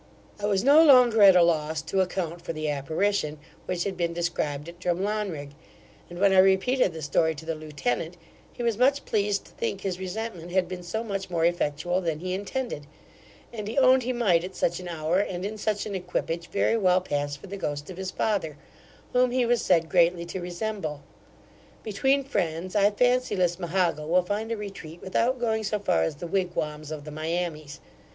I was no longer at a loss to account for the apparition, which had been described at Drumlanrig; and when I repeated the story to the lieutenant, he was much pleased to think his resentment had been so much more effectual than he intended; and he owned, he might at such an hour, and in such an equipage, very well pass for the ghost of his father, whom he was said greatly to resemble Between friends, I fancy Lismahago will find a retreat without going so far as the wigwams of the Miamis.